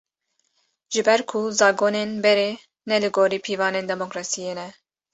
Ji ber ku zagonên berê, ne li gorî pîvanên demokrasiyê ne